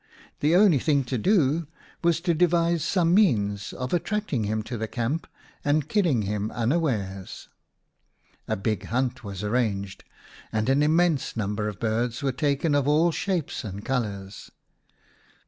The only thing to do was to devise some means of attracting him to the camp and killing him unawares. A big hunt was arranged, and an immense number of birds were taken of all shapes and colours.